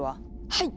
はい！